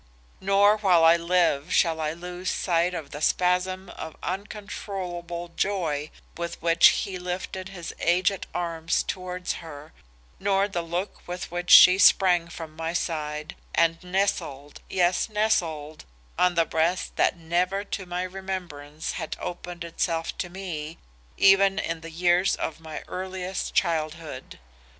Nor while I live shall I lose sight of the spasm of uncontrollable joy with which he lifted his aged arms towards her, nor the look with which she sprang from my side and nestled, yes nestled, on the breast that never to my remembrance had opened itself to me even in the years of my earliest childhood.